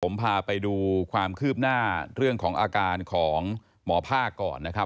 ผมพาไปดูความคืบหน้าเรื่องของอาการของหมอภาคก่อนนะครับ